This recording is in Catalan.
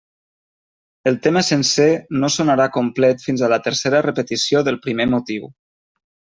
El tema sencer no sonarà complet fins a la tercera repetició del primer motiu.